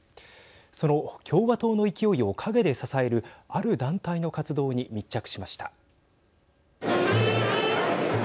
その共和党の勢いを陰で支えるある団体の活動に密着しました。